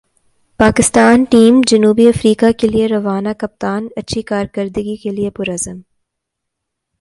Pakistan team جنوبی افریقہ کیلئے روانہ کپتان اچھی کارکردگی کیلئے پر عزم